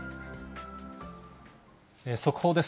速報です。